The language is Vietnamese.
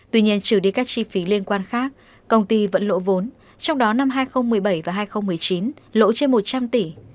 tuy nhiên trừ đi các chi phí liên quan khác công ty vẫn lộ vốn trong đó năm hai nghìn một mươi bảy và hai nghìn một mươi chín lỗ trên một trăm linh tỷ